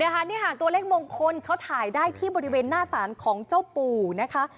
นี่ค่ะตัวเลขมงคลเขาถ่ายได้ที่บริเวณหน้าศาลของเจ้าปู่นะคะ